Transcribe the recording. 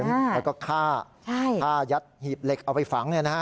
แล้วก็ฆ่าฆ่ายัดหีบเหล็กเอาไปฝัง